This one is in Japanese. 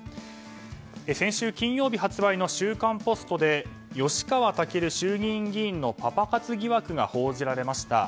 先週金曜日発売の「週刊ポスト」で吉川赳衆議院議員のパパ活疑惑が報じられました。